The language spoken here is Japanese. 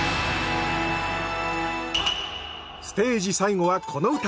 ステージ最後はこの唄。